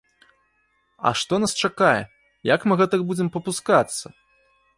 А што нас чакае, як мы гэтак будзем папускацца?!